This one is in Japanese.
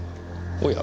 おや？